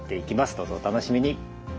どうぞお楽しみに。